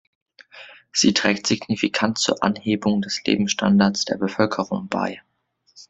Sie trägt signifikant zur Anhebung des Lebensstandards der Bevölkerung bei.